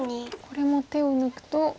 これも手を抜くと危ない。